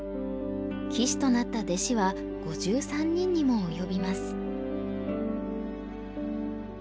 棋士となった弟子は５３人にも及びます。